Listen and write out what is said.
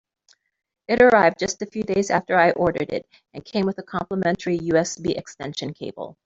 It arrived just a few days after I ordered it, and came with a complementary USB extension cable.